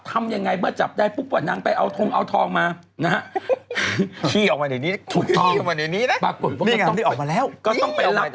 ทำยังไงแบบจับได้ทุกวัดนางไปเอาทองมานะฮะ